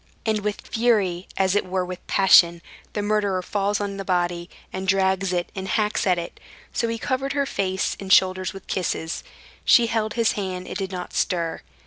And with fury, as it were with passion, the murderer falls on the body, and drags it and hacks at it; so he covered her face and shoulders with kisses. She held his hand, and did not stir.